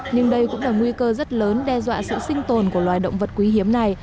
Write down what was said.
nhưng đây cũng là nguy cơ rất lớn đe dọa sự sinh tồn của loài động vật quý hiếm này